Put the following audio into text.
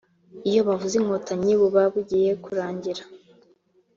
iyo bavuze Inkotanyi buba bugiye kurangira